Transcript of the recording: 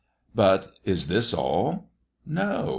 But is this all? No!